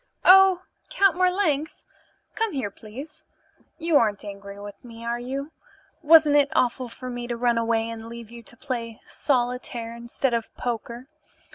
Oh, Count Marlanx! Come here, please. You aren't angry with me, are you? Wasn't it awful for me to run away and leave you to play solitaire instead of poker?